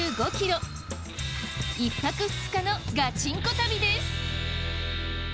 １泊２日のガチンコ旅です。